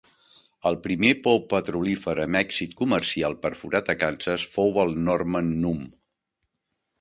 El primer pou petrolífer amb èxit comercial perforat a Kansas fou el Norman núm.